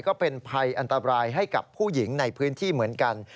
ก็เป็นภัยอันตรายให้กับผู้หญิงในพื้นที่เหมือนกัน